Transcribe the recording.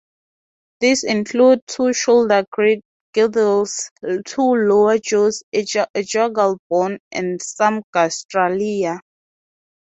These include two shoulder girdles, two lower jaws, a jugal bone and some gastralia.